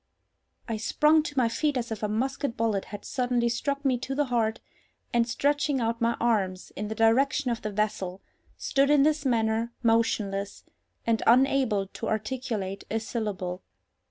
I sprung to my feet as if a musket bullet had suddenly struck me to the heart; and, stretching out my arms in the direction of the vessel, stood in this manner, motionless, and unable to articulate a syllable.